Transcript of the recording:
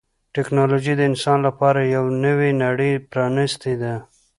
ټکنالوجي د انسان لپاره یوه نوې نړۍ پرانستې ده.